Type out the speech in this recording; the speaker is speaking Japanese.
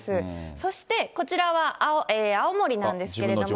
そしてこちらは青森なんですけれども。